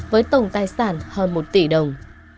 với tổng tài sản hơn một tỷ đồng